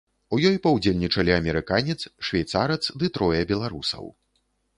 У ёй паўдзельнічалі амерыканец, швейцарац ды трое беларусаў.